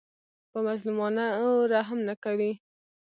په مظلومانو رحم نه کوي